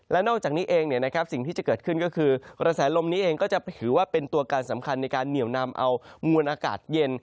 และนอกจากนี้เองสิ่งที่จะเกิดขึ้นก็คือกระแสลมนี้เองก็จะถือว่าเป็นตัวการสำคัญในการเหนียวนำเอามวลอากาศเย็น